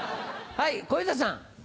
はい小遊三さん。